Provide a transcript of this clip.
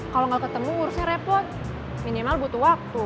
kalau gak ketemu urusnya repot minimal butuh waktu